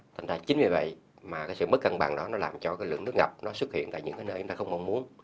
thành ra chính vì vậy mà sự mất cân bằng đó làm cho lượng nước ngập nó xuất hiện tại những nơi chúng ta không mong muốn